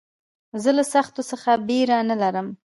زه له سختیو څخه بېره نه لرم.